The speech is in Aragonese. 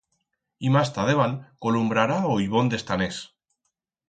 Y mas ta debant columbrará o ibón d'Estanés.